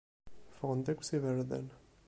Ffɣen-d akk s iberdan.